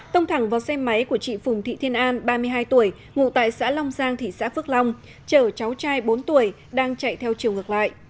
tông thẳng vào xe máy của chị phùng thị thiên an ba mươi hai tuổi ngụ tại xã long giang thị xã phước long chở cháu trai bốn tuổi đang chạy theo chiều ngược lại